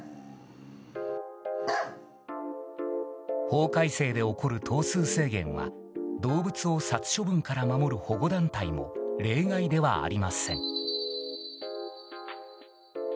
法改正で起こる頭数制限は動物を殺処分から守る保護団体も例外ではありません。